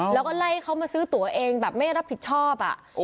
แล้วก็ไล่เขามาซื้อตัวเองแบบไม่รับผิดชอบ